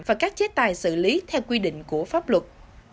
và các chế tài xử lý theo quy định của pháp luật